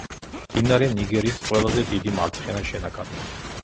მდინარე ნიგერის ყველაზე დიდი მარცხენა შენაკადი.